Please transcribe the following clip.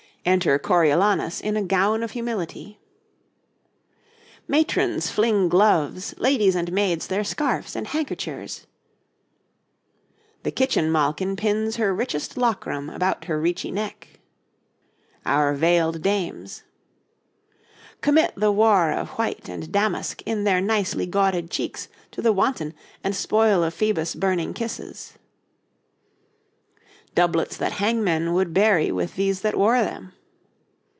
'Enter Coriolanus in a gown of humility.' 'Matrons fling gloves, ladies and maids their scarfs and handkerchers.' 'The kitchen malkin pins her richest lockram[A] 'bout her reechy neck.' [A] 'Lockram' is coarse linen. 'Our veiled dames.' 'Commit the war of white and damask in their nicely gawded cheeks to the wanton and spoil of Phoebus' burning kisses.' 'Doublets that hangmen would bury with these that wore them.'